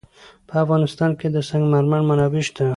په افغانستان کې د سنگ مرمر منابع شته.